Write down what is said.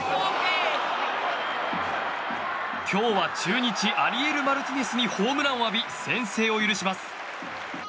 今日は中日、アリエル・マルティネスにホームランを浴び先制を許します。